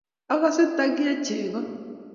Agase takie chego.